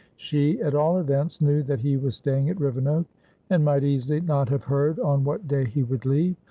She, at all events, knew that he was staying at Rivenoak, and might easily not have heard on what day he would leave.